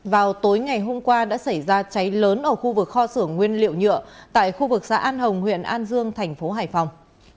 vào tối ngày hôm qua đã xảy ra cháy lớn ở khu vực kho xưởng nguyên liệu nhựa tại khu vực xã an hồng huyện an dương thành phố hải phòng